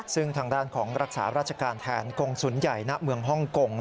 ซึ่งทางด้านของรักษาราชการแทนกงศูนย์ใหญ่ณเมืองฮ่องกง